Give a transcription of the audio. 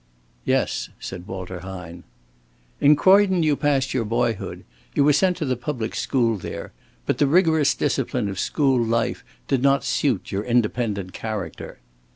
"Yes," said Walter Hine. "In Croydon you passed your boyhood. You were sent to the public school there. But the rigorous discipline of school life did not suit your independent character."